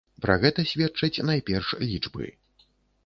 Пра гэта сведчаць найперш лічбы.